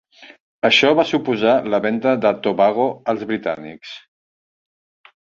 Això va suposar la venta de Tobago als britànics.